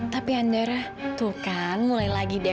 tapi ander tuh kan mulai lagi deh